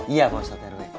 iya pak ustadz rw